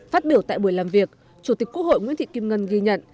phát biểu tại buổi làm việc chủ tịch quốc hội nguyễn thị kim ngân ghi nhận